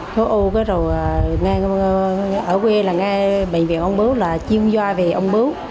khối u cái rồi ở quê là ngay bệnh viện ung biếu là chuyên doa về ung biếu